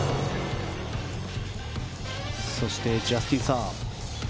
そして、ジャスティン・サー。